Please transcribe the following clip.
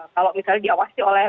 kalau misalnya diawasi oleh